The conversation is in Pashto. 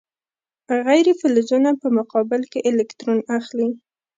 غیر فلزونه په مقابل کې الکترون اخلي.